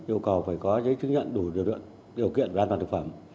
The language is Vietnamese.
yêu cầu phải có giấy chứng nhận đủ điều kiện về an toàn thực phẩm